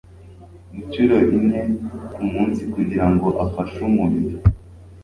incuro inye ku munsi kugira ngo afashe umubiri